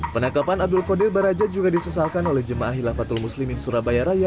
penangkapan abdul qadir baraja juga disesalkan oleh jemaah hilafatul muslimin surabaya raya